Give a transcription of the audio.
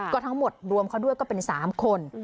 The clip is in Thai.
ก็ทั้งหมดรวมเขาด้วยก็เป็น๓คน